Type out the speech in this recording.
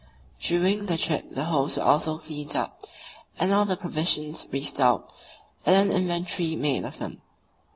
During the trip the holds were also cleaned up, and all the provisions re stowed and an inventory made of them.